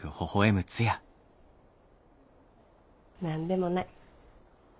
何でもない。